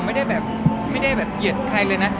ผมไม่ได้แบบเหยียดใครเลยนะ